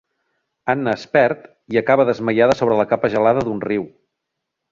Anna es perd i acaba desmaiada sobre la capa gelada d’un riu.